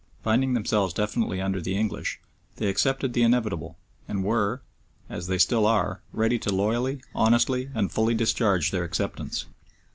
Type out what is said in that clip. Finding themselves definitely under the English, they accepted the inevitable, and were, as they still are, ready to loyally, honestly, and fully discharge their acceptance.